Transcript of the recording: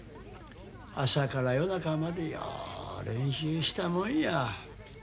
朝から夜中までよう練習したもんや。